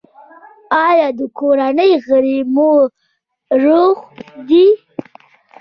ایا د کورنۍ غړي مو روغ دي؟